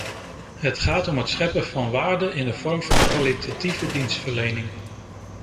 Het gaat om het scheppen van waarde in de vorm van kwalitatieve dienstverlening.